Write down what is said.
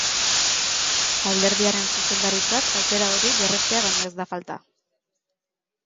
Alderdiaren zuzendaritzak aukera hori berrestea baino ez da falta.